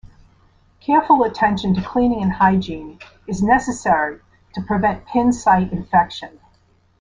Careful attention to cleaning and hygiene is necessary to prevent pin site infection.